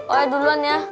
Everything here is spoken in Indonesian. oe duluan ya